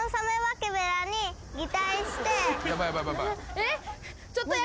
えっ？